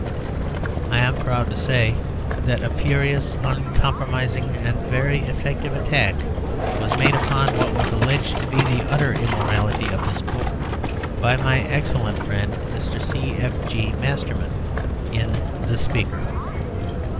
I am proud to say that a furious, uncompromising, and very effective attack was made upon what was alleged to be the utter immorality of this book by my excellent friend Mr. C.F.G. Masterman, in the 'Speaker.'